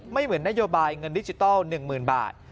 เหมือนนโยบายเงินดิจิทัล๑๐๐๐บาท